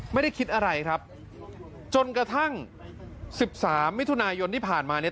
ไม่ได้คิดอะไรครับจนกระทั่งสิบสามมิถุนายนที่ผ่านมาเนี่ย